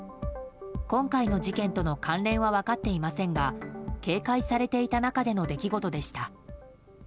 今回の事件との関連は分かっていませんが警戒されていた中での出来事でした。